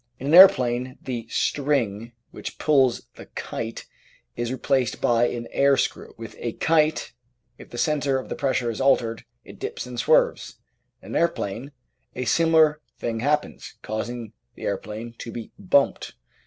In an aeroplane the "string" which pulls the kite is replaced by an air screw. With a kite, if the centre of the pressure is altered, it dips and swerves. In an aeroplane a similar thing happens, causing the aeroplane to be "bumped."